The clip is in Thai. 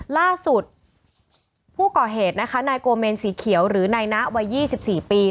ล่าสุดผู้ก่อเหตุนะคะนายโกเมนสีเขียวหรือนายนะวัย๒๔ปี